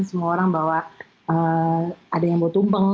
semua orang bawa ada yang bawa tumpeng